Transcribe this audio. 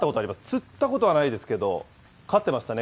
釣ったことはないですけど、飼ってましたね。